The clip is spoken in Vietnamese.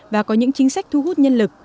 và có những chính sách thu hút nhân lực